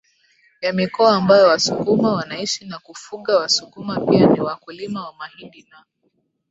ya mikoa ambayo wasukuma wanaishi na kufugaWasukuma pia ni wakulima wa mahindi na